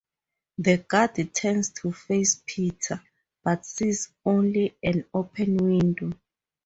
The guard turns to face Peter, but sees only an open window.